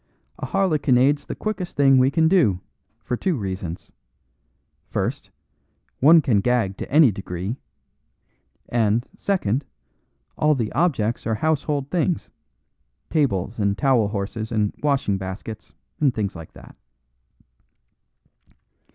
"A harlequinade's the quickest thing we can do, for two reasons. First, one can gag to any degree; and, second, all the objects are household things tables and towel horses and washing baskets, and things like that."